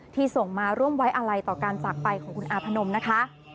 ส่งมาร่วมไว้อะไรต่อการจากไปของคุณอาพนมนะคะ